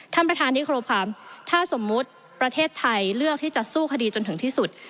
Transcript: ท่านประธานที่ครบค่ะถ้าสมมุติประเทศไทยเลือกที่จะสู้คดีจนถึงที่สุด